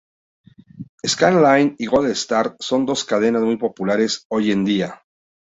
Skyline y Gold Star son dos cadenas muy populares hoy en día.